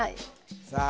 さあ